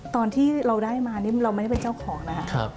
ตอนที่เราได้มานี่เราไม่ได้เป็นเจ้าของนะครับ